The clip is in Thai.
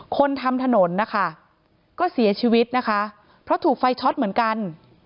คนทำถนนนะคะก็เสียชีวิตนะคะเพราะถูกไฟช็อตเหมือนกัน